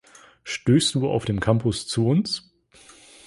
Stößt du auf dem Campus zu uns?